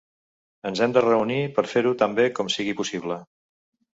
Ens hem de reunir per a fer-ho tan bé com sigui possible.